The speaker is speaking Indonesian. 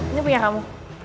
ini punya kamu